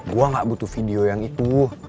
gue gak butuh video yang itu